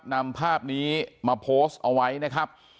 นำภาพนี้มาโพสต์เอาไว้นะครับ